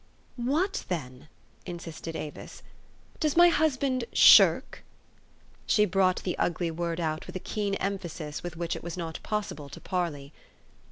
"What, then?" insisted Avis. "Does my hus band shirk?" She brought the ugly word out with a keen em phasis with which it was not possible to parley.